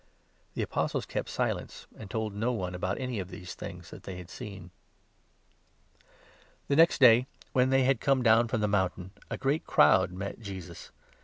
The 36 Apostles kept silence, and told no one about any of the things that they had seen. cur or next day, when they had come down from 37 an epileptic the mountain, a great crowd met Jesus.